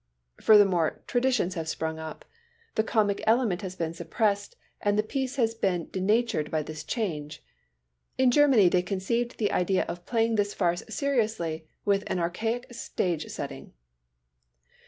Furthermore, traditions have sprung up. The comic element has been suppressed and the piece has been denatured by this change. In Germany they conceived the idea of playing this farce seriously with an archaic stage setting!